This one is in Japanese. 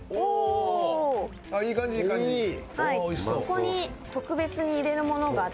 ここに特別に入れるものがあって。